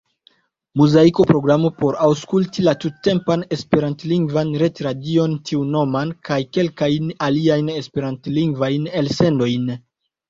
Muzaiko, programo por aŭskulti la tuttempan Esperantlingvan retradion tiunoman, kaj kelkajn aliajn Esperantlingvajn elsendojn.